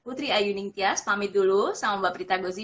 putri ayu ningtyas pamit dulu sama mbak prita gozi